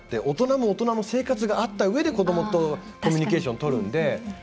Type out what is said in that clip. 大人も大人の生活があったうえで子どもとコミュニケーションとるので。